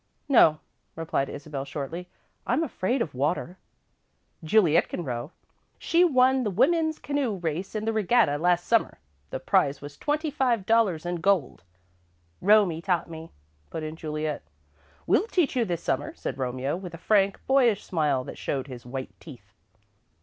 "No," replied Isabel, shortly. "I'm afraid of the water." "Juliet can row. She won the women's canoe race in the regatta last Summer. The prize was twenty five dollars in gold." "Romie taught me," put in Juliet. "We'll teach you this Summer," said Romeo, with a frank, boyish smile that showed his white teeth.